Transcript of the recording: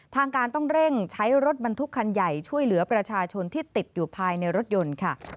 ทางการต้องเร่งใช้รถบรรทุกคันใหญ่ช่วยเหลือประชาชนที่ติดอยู่ภายในรถยนต์ค่ะ